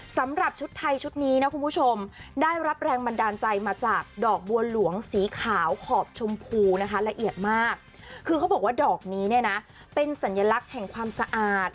สำหรับชุดไทยชุดนี้นะคุณผู้ชมได้รับแรงบันดาลใจมาจากดอกบัวหลวงสีขาวขอบชมพูนะคะ